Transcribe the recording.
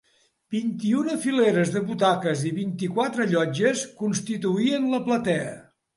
Vint-i-una fileres de butaques i vint-i-quatre llotges constituïen la platea.